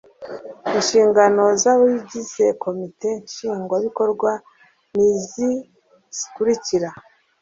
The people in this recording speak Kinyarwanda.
inshingano z'abagize komite nshingwabikorwa ni ziz zikurikira